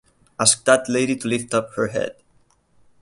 Ask that lady to lift up her head!